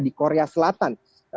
di korea selatan